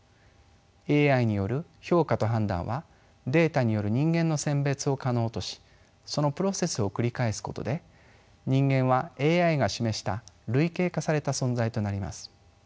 ＡＩによる評価と判断はデータによる人間の選別を可能としそのプロセスを繰り返すことで人間はＡＩが示した類型化された存在となります。